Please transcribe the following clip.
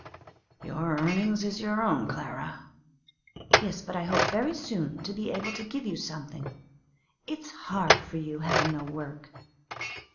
'Your earnin's is your own, Clara.' 'Yes; but I hope very soon to be able to give you something. It's hard for you, having no work.